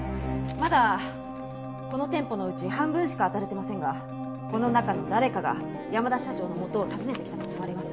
まだこの店舗のうち半分しかあたれてませんがこの中の誰かが山田社長のもとを訪ねてきたと思われます。